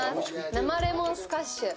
生レモンスカッシュ。